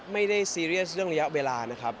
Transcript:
ซีเรียสเรื่องระยะเวลานะครับ